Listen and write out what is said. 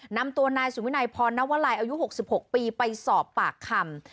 นำตัวนายสุวินัยพรนวลัยอายุ๖๖ปีไปสอบปากคำ